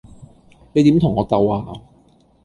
你點同我鬥呀?